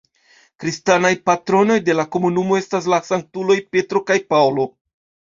Kristanaj patronoj de la komunumo estas la sanktuloj Petro kaj Paŭlo.